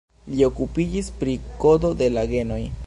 Li okupiĝis pri kodo de la genoj.